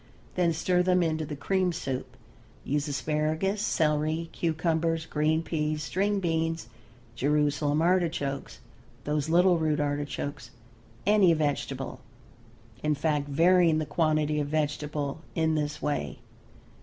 Then stir them into the cream soup. Use asparagus, celery, cucumbers, green peas, string beans, Jerusalem artichokes, those little root artichokes, any vegetable, in fact, varying the quantity of vegetable in this way.